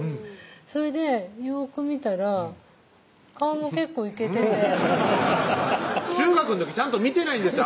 それでよーく見たら顔も結構イケてて中学の時ちゃんと見てないんですよ